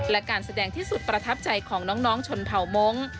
และการแสดงที่สุดประทับใจของน้องชนเผ่ามงค์